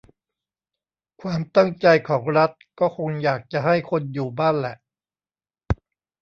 ความตั้งใจของรัฐก็คงอยากจะให้คนอยู่บ้านแหละ